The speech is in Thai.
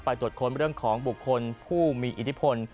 ตรวจค้นเรื่องของบุคคลผู้มีอิทธิพล